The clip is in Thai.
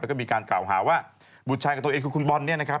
แล้วก็มีการกล่าวหาว่าบุตรชายกับตัวเองคือคุณบอลเนี่ยนะครับ